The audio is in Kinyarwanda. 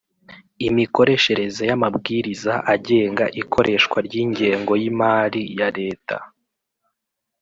imikoreshereze y'amabwiriza agenga ikoreshwa ry'ingengo y'imali ya leta,